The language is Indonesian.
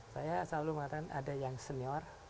saya selalu mengatakan ada yang senior